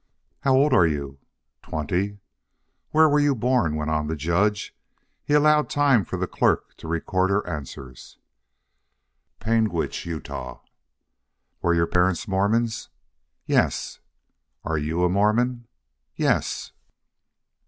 "How old are you?" "Twenty." "Where were you born?" went on the judge. He allowed time for the clerk to record her answers. "Panguitch, Utah." "Were your parents Mormons?" "Yes." "Are you a Mormon?" "Yes."